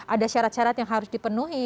ada syarat syarat yang harus dipenuhi